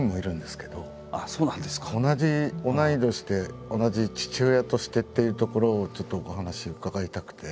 同じ同い年で同じ父親としてっていうところをちょっとお話伺いたくて。